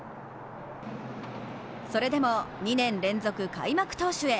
それでも２年連続開幕投手へ。